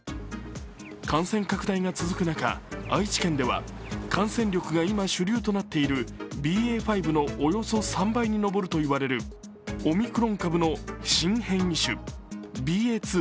感染拡大が続く中愛知県では感染力が今、主流となっているＢＡ．５のおよそ３倍に上るといわれるオミクロン株の新変異種、ＢＡ．２．７５。